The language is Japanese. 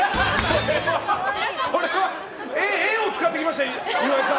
これは絵を使ってきました、岩井さん！